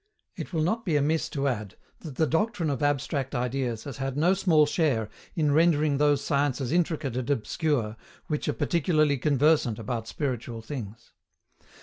It will not be amiss to add, that the doctrine of abstract ideas has had no small share in rendering those sciences intricate and obscure which are particularly conversant about spiritual things.